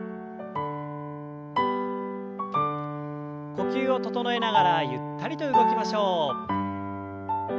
呼吸を整えながらゆったりと動きましょう。